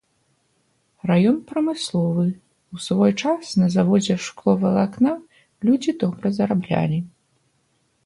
Раён прамысловы, у свой час на заводзе шкловалакна людзі добра зараблялі.